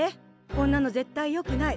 こんなの絶対よくない。